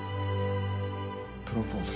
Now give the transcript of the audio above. プロポーズ。